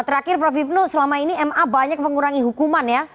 terakhir prof hipnu selama ini ma banyak mengurangi hukuman ya